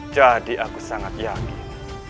jadi aku sangat yakin